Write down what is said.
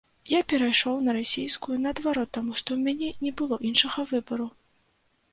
Я перайшоў на расійскую, наадварот, таму, што ў мяне не было іншага выбару.